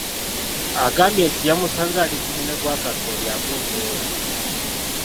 Agambye nti yamusanze ali ku munwe gwa kasooli avunyuula.